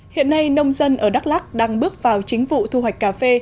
hiện nay nông dân ở đắk lắc đang bước vào chính vụ thu hoạch cà phê